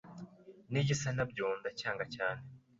n’igisa nabyo ndacyanga cyane